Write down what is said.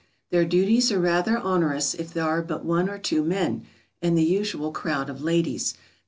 ] Their duties are rather onerous if there are but one or two men and the usual crowd of ladies.